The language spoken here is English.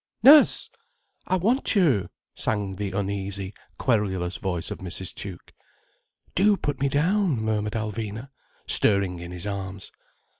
Nurse! I want you," sang the uneasy, querulous voice of Mrs. Tuke. "Do put me down!" murmured Alvina, stirring in his arms.